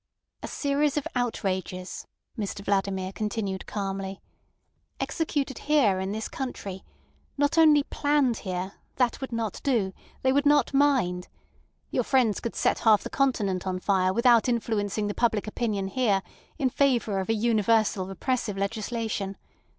"A series of outrages," Mr Vladimir continued calmly, "executed here in this country; not only planned here—that would not do—they would not mind. Your friends could set half the Continent on fire without influencing the public opinion here in favour of a universal repressive legislation.